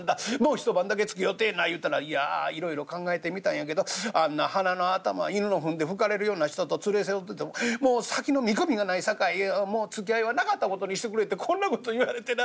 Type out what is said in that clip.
言うたら『いやいろいろ考えてみたんやけどあんな鼻の頭犬の糞で拭かれるような人と連れ添っててももう先の見込みがないさかいいやもうつきあいはなかった事にしてくれ』てこんな事言われてな。